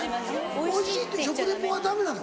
おいしいって食リポはダメなの？